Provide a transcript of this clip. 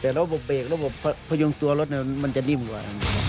แต่ระบบเบรกระบบพยุงตัวรถมันจะนิ่มกว่า